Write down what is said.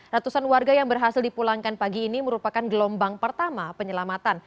ratusan warga yang berhasil dipulangkan pagi ini merupakan gelombang pertama penyelamatan